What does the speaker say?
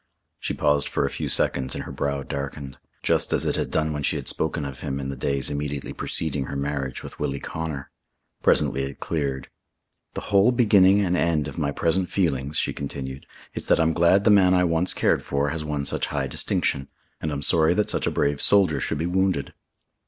She paused for a few seconds and her brow darkened, just as it had done when she had spoken of him in the days immediately preceding her marriage with Willie Connor. Presently it cleared. "The whole beginning and end of my present feelings," she continued, "is that I'm glad the man I once cared for has won such high distinction, and I'm sorry that such a brave soldier should be wounded."